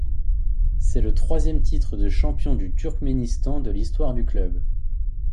C'est le troisième titre de champion du Turkménistan de l'histoire du club.